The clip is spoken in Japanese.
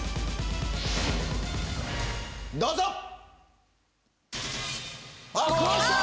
どうぞ！